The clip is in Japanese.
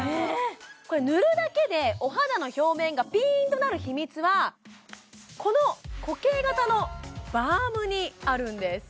これ塗るだけでお肌の表面がピーンとなる秘密はこの固形型のバームにあるんです